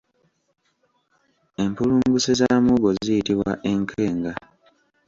Empulunguse za muwogo ziyitibwa enkenga.